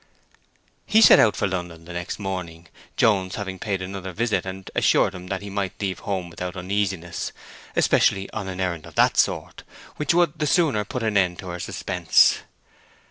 He set out for London the next morning, Jones having paid another visit and assured him that he might leave home without uneasiness, especially on an errand of that sort, which would the sooner put an end to her suspense.